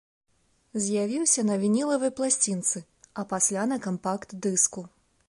З'явіўся на вінілавай пласцінцы, а пасля на кампакт-дыску.